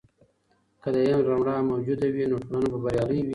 که د علم رڼا موجوده وي، نو ټولنه به بریالۍ وي.